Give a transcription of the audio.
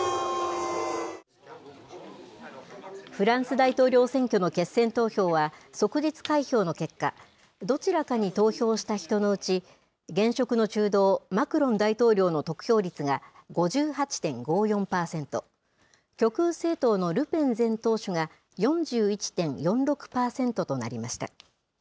フランス大統領選挙の決選投票は、即日開票の結果、どちらかに投票した人のうち、現職の中道、マクロン大統領の得票率が５８．５４％、極右政党のルペン前党首が４１．４６％となりました。